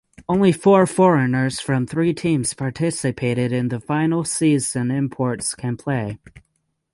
Only four foreigners from three teams participated in the final season imports can play.